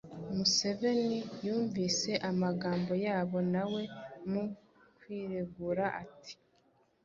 Museveni yumvise amagambo yabo na we mu kwiregura ati “